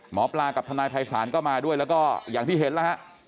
หมอปลากับทนายภัยศาลก็มาด้วยแล้วก็อย่างที่เห็นแล้วฮะ